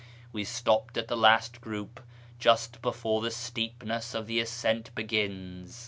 We stopped at the last group, just before the steepness of the ascent begins.